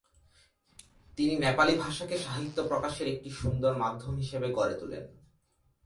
তিনি নেপালি ভাষাকে সাহিত্য প্রকাশের একটি সুন্দর মাধ্যম হিসেবে গড়ে তোলেন।